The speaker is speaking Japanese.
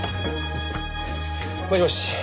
もしもし。